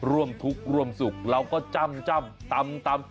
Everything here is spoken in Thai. ร่วมทุกข์ร่วมสุขเราก็จ้ำตำ